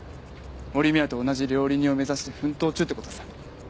森宮と同じ料理人を目指して奮闘中ってことさ。